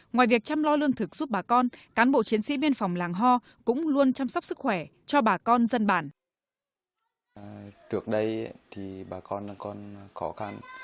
ngoài việc chăm lo lương thực giúp bà con cán bộ chiến sĩ biên phòng làng hoa cũng luôn chăm sóc sức khỏe cho bà con dân bản